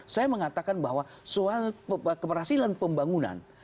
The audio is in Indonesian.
saya mengatakan bahwa soal keberhasilan pembangunan